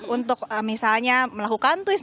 untuk misalnya melakukan twist